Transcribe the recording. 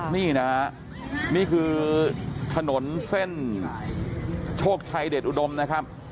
นี่นะฮะนี่คือถนนเส้นโชคชัยเดชอุดมนะครับ